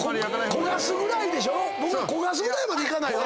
僕ら焦がすぐらいまでいかないよな。